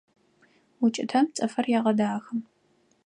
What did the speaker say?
УкӀытэм цӀыфыр егъэдахэ.